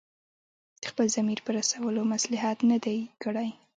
د خپل ضمیر په رسولو مصلحت نه دی کړی.